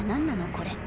これ。